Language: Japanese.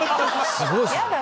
すごいっすね。